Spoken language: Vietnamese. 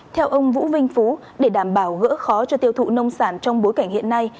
theo ông vũ vinh phú để đảm bảo gỡ khó cho tiêu thụ nông sản trong bối cảnh hiện nay